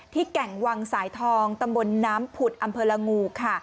แก่งวังสายทองตำบลน้ำผุดอำเภอละงูค่ะ